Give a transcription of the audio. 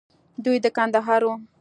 دوى د کندهار وو.